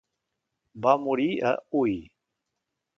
Va morir a Huy.